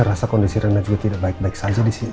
saya rasa kondisi rena juga tidak baik baik saja di sini